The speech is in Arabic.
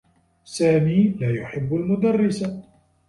سامي لا يحبّ المدرّس.